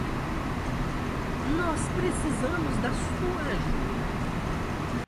Nós precisamos da sua ajuda!